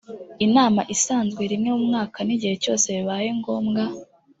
inama isanzwe rimwe mu mwaka n’igihe cyose bibaye ngombwa